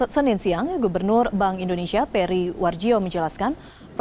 senin siang gubernur bank indonesia peri warjio menjelaskan